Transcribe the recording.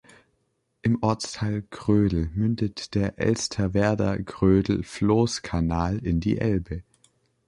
Im Ortsteil Grödel mündet der Elsterwerda-Grödel-Floßkanal in die Elbe.